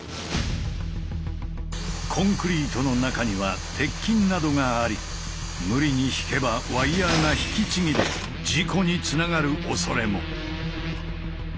コンクリートの中には鉄筋などがあり無理に引けばワイヤーが引きちぎれ事故につながるおそれも。